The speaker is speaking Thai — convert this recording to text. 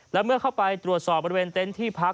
และเมื่อเข้าไปตรวจสอบบริเวณเต็นต์ที่พัก